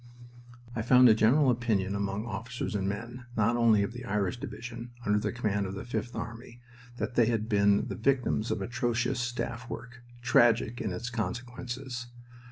I found a general opinion among officers and men, not only of the Irish Division, under the command of the Fifth Army, that they had been the victims of atrocious staff work, tragic in its consequences.